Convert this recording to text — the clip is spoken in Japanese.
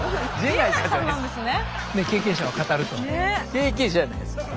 経験者じゃないですけど。